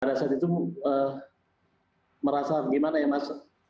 pada saat itu merasa gimana ya mas